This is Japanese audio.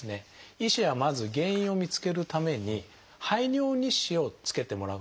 医師はまず原因を見つけるために排尿日誌をつけてもらうことを勧めています。